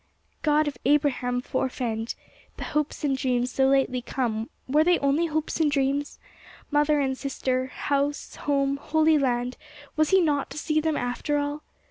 God of Abraham forefend! The hopes and dreams so lately come, were they only hopes and dreams? Mother and sister—house—home—Holy Land—was he not to see them, after all?